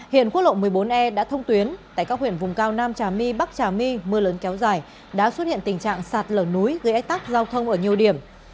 hiện quốc lộ một mươi bốn e đã thông tuyến tại các huyện vùng cao nam trà my bắc trà my mưa lớn kéo dài đã xuất hiện tình trạng sạt lở núi gây ách tắc giao thông ở nhiều điểm